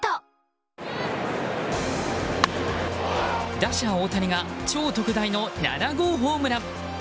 打者・大谷が超特大の７号ホームラン。